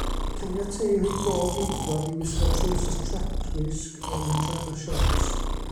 Caniateir i gôl-geidwaid i wisgo trowsus tracwisg yn hytrach na siorts.